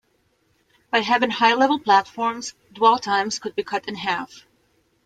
By having high-level platforms, dwell times could be cut in half.